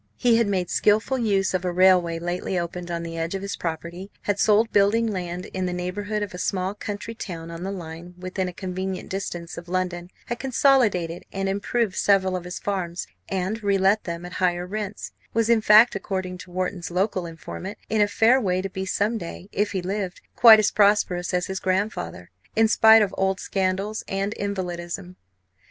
He had made skilful use of a railway lately opened on the edge of his property; had sold building land in the neighbourhood of a small country town on the line, within a convenient distance of London; had consolidated and improved several of his farms and relet them at higher rents; was, in fact, according to Wharton's local informant, in a fair way to be some day, if he lived, quite as prosperous as his grandfather, in spite of old scandals and invalidism.